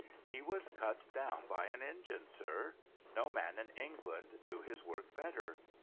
' He was cut down by an engine, sir. No man in England knew his work better.